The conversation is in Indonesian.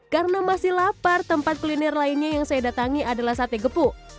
karena masih lapar tempat kuliner lainnya yang saya datangi adalah sate gepu